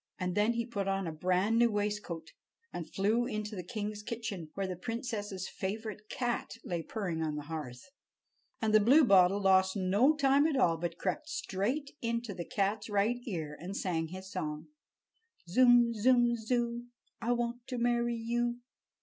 And then he put on a brand new waistcoat and flew into the king's kitchen, where the princess's favorite cat lay purring on the hearth. And the Bluebottle lost no time at all, but crept straight into the cat's right ear and sang his song: "Zum, zum, zoo, I want to marry you!"